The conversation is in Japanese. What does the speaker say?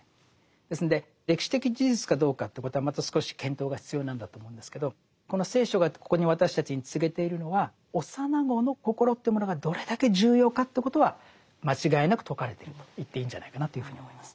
ですんで歴史的事実かどうかということはまた少し検討が必要なんだと思うんですけどこの聖書がここに私たちに告げているのは幼子の心というものがどれだけ重要かということは間違いなく説かれてると言っていいんじゃないかなというふうに思います。